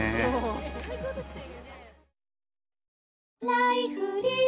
「ライフリー」